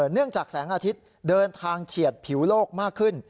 เนื่องจากแสงอาทิตย์เดินทางเฉียดผิวโลกมากขึ้น